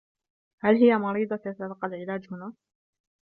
هل هي مريضة تتلقّى العلاج هنا؟